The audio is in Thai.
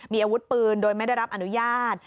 มีอาวุธปืนโดยไม่ได้รับอนุญาต